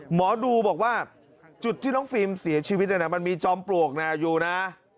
หมอดูบอกว่าจุดที่น้องฟิล์มเสียชีวิตมันมีจอมปลวกอยู่นะ